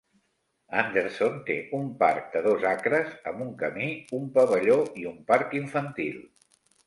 Anderson té un parc de dos acres amb un camí, un pavelló i un parc infantil.